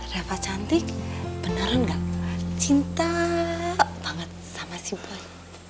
reva santik beneran gak cinta banget sama si buan